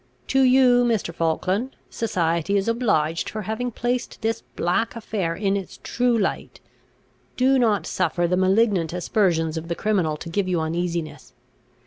"To you, Mr. Falkland, society is obliged for having placed this black affair in its true light. Do not suffer the malignant aspersions of the criminal to give you uneasiness.